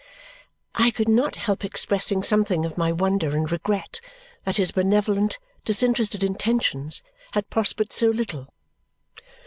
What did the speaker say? I could not help expressing something of my wonder and regret that his benevolent, disinterested intentions had prospered so little.